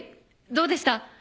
どうでした？